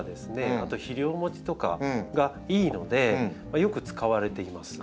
あと肥料もちとかがいいのでよく使われています。